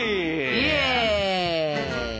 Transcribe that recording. イエイ！